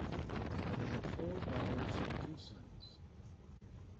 They had four daughters and two sons.